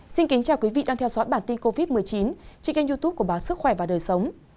xin kính chào quý vị đang theo dõi bản tin covid một mươi chín trên kênh youtube của báo sức khỏe và đời sống